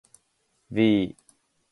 ｖ